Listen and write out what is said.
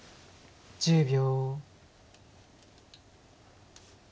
１０秒。